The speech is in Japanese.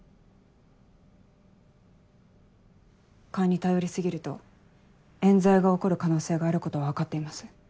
勘に頼り過ぎると冤罪が起こる可能性があることは分かっています。